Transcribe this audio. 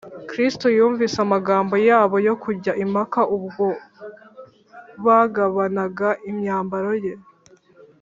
kristo yumvise amagambo yabo yo kujya impaka ubwo bagabanaga imyambaro ye